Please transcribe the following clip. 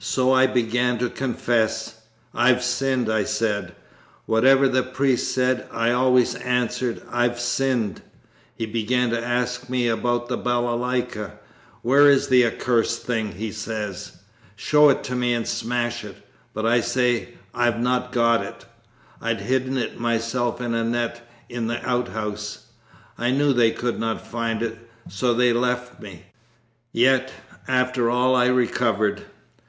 So I began to confess. "I've sinned!" I said. Whatever the priest said, I always answered "I've sinned." He began to ask me about the balalayka. "Where is the accursed thing," he says. "Show it me and smash it." But I say, "I've not got it." I'd hidden it myself in a net in the outhouse. I knew they could not find it. So they left me. Yet after all I recovered.